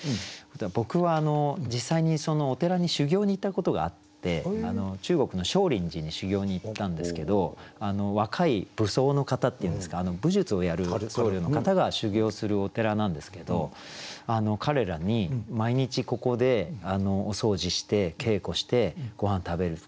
僕は実際にお寺に修行に行ったことがあって中国の少林寺に修行に行ったんですけど若い武僧の方っていうんですか武術をやる僧侶の方が修行をするお寺なんですけど彼らに毎日ここでお掃除して稽古してごはん食べる